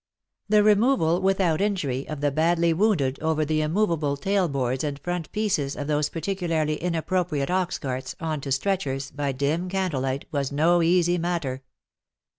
The removal, without injury, of the badly WAR AND WOMEN 119 wounded over the immovable tailboards and front pieces of those particularly inappropriate ox carts, on to stretchers, by dim candlelight, was no easy matter.